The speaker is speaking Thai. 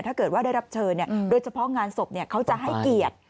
ถ้าเกิดว่าได้รับเชิญโดยเฉพาะงานศพเขาจะให้เกียรติ